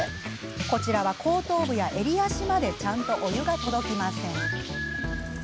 こちらは、後頭部や襟足までちゃんとお湯が届きません。